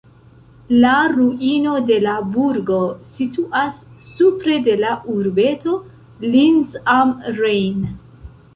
La ruino de la burgo situas supre de la urbeto Linz am Rhein.